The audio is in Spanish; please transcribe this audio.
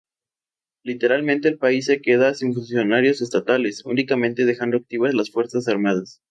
Literalmente, el país se queda sin funcionarios estatales, únicamente dejando activas las fuerzas armadas.